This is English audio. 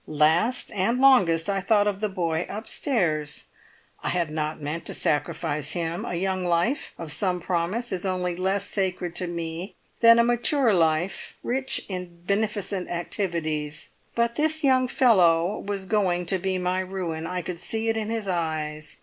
Last, and longest, I thought of the boy upstairs. I had not meant to sacrifice him; a young life, of some promise, is only less sacred to me than a mature life rich in beneficent activities. But this young fellow was going to be my ruin. I could see it in his eyes.